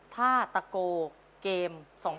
ท่าตะโกเกม๒๕๖๒